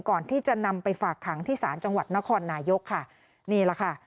ก่อนที่จะนำไปฝากขังที่ศาลจังหวัดนครนายกค่ะนี่แหละค่ะ